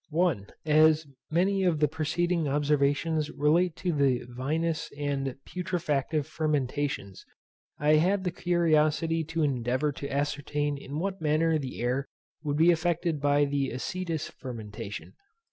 1. As many of the preceding observations relate to the vinous and putrefactive fermentations, I had the curiosity to endeavour to ascertain in what manner the air would be affected by the acetous fermentation.